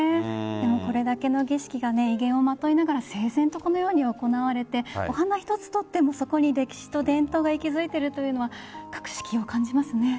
でも、これだけの儀式が威厳をまといながら整然とこのように行われてお花一つとってもそこに歴史と伝統が息づいているというのは格式を感じますね。